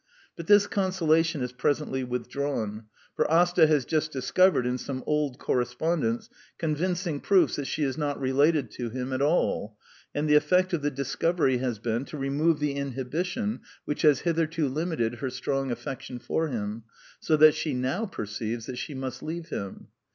But this conso lation is presently withdrawn; for Asta has just discovered, in some old correspondence, convinc ing proofs that she is not related to him at all; and the effect of the discovery has been to remove the inhibition which has hitherto limited her strong affection for him; so that she now per ceives that she must leave him.